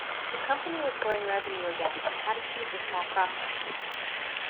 The company was growing revenue again and had achieved a small profit.